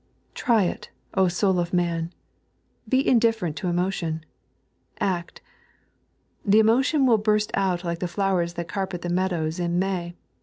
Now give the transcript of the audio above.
Try it, soul of man. Be indifferent to emotion. Act. The emotion will burst out like the flowers that carpet the meadows in May.